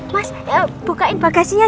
mas bukain bagasinya